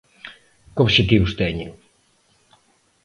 Que obxectivos teñen?